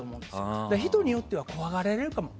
だから人によっては怖がられるかも。